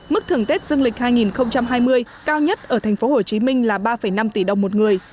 mức thưởng tết dương lịch hai nghìn hai mươi cao nhất ở tp hcm là ba năm tỷ đồng một người